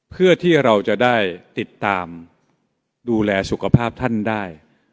เพื่อที่เราจะได้ติดตามดูแลสุขภาพท่านได้